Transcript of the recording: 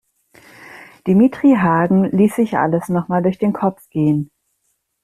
Dimitri Hagen ließ sich alles noch mal durch den Kopf gehen.